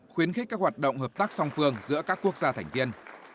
khuyến khích các hoạt động hợp tác song phương giữa các quốc gia thành viên